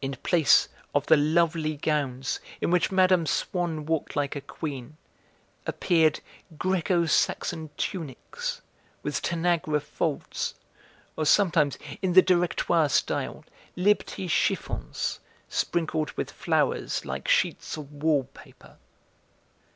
In place of the lovely gowns in which Mme. Swann walked like a Queen, appeared Greco Saxon tunics, with Tanagra folds, or sometimes, in the Directoire style, 'Liberty chiffons' sprinkled with flowers like sheets of wallpaper.